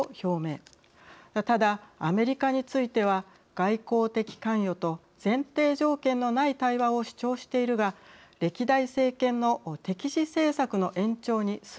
ただアメリカについては外交的関与と前提条件のない対話を主張しているが歴代政権の敵視政策の延長にすぎないと批判しました。